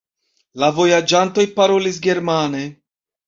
La vojaĝantoj parolis germane.